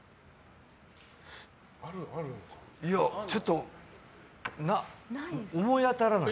いや、ちょっと思い当たらない。